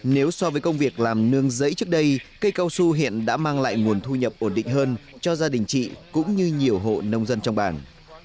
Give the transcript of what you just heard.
nếu so với công việc làm nương giấy trước đây cây cao su hiện đã mang lại nguồn thu nhập ổn định hơn cho gia đình chị cũng như nhiều hộ nông dân trong bản